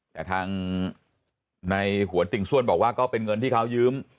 แต่ทางในหวนติ่งส้วนบอกว่าก็เป็นเงินที่เขายืม